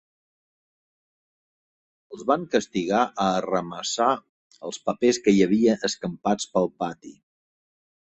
Els van castigar a arramassar els papers que hi havia escampats pel pati.